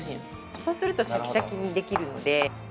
そうするとシャキシャキにできるので。